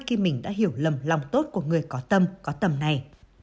khi mình đã hiểu lầm lòng tốt của người có tâm có tầm này